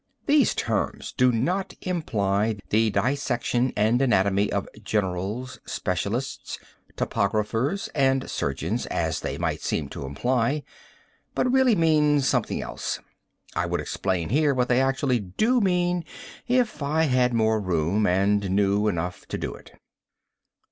Those terms do not imply the dissection and anatomy of generals, specialists, topographers and surgeons, as they might seem to imply, but really mean something else. I would explain here what they actually do mean if I had more room and knew enough to do it.